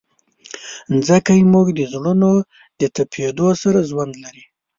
مځکه زموږ د زړونو د تپېدو سره ژوند لري.